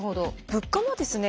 物価もですね